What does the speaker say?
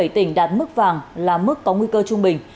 ba mươi bảy tỉnh đạt mức vàng là mức có nguy cơ trung bình